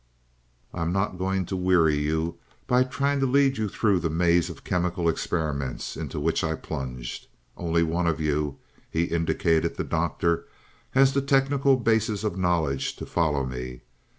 "I am not going to weary you by trying to lead you through the maze of chemical experiments into which I plunged. Only one of you," he indicated the Doctor, "has the technical basis of knowledge to follow me.